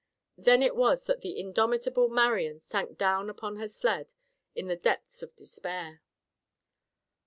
Then it was that the indomitable Marian sank down upon her sled in the depths of despair.